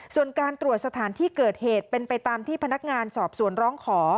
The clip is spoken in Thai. ส่วนการตรวจสถานที่เกิดเหตุเป็นไปตามที่พนักงานสอบสวนร้องขอ